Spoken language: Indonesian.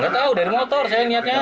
gak tahu dari motor saya niatnya